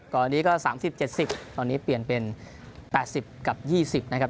ตอนนี้ก็๓๐๗๐ตอนนี้เปลี่ยนเป็น๘๐กับ๒๐นะครับ